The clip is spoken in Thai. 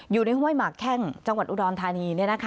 อยู่ในห้วยหมาแค่งจังหวัดอุดรธานี